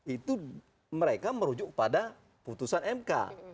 itu mereka merujuk pada putusan mk